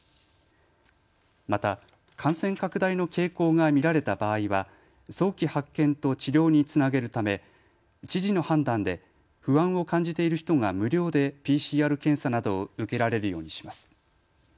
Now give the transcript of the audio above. また、感染拡大の傾向が見られた場合は早期発見と治療につなげるため知事の判断で不安を感じている人が無料でＰＣＲ検査などを受けられるようにします。